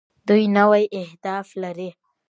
دوی نوي اهداف لري.